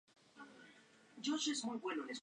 Entre los activos se encuentra la marca "Fiesta".